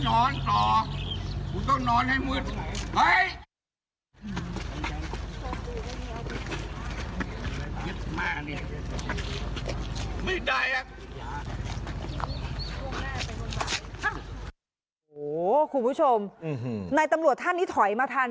โอ้โหคุณผู้ชมนายตำรวจท่านนี้ถอยมาทัน